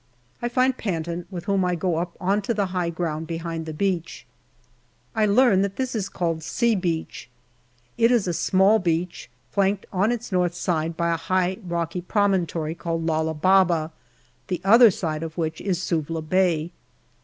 I find Panton, with whom I go up on to the high ground behind the beach. I learn that this is called " C " Beach. It is a small beach, flanked on its north side by a high rocky promontory called Lala Baba, the other side of which is Suvla Bay.